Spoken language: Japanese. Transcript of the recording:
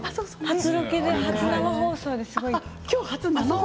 初ロケで初生放送です。